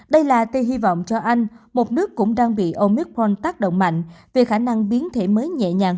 đây là tên hy vọng cho anh một nước cũng đang bị omicron tác động mạnh về khả năng biến thể mới nhẹ nhàng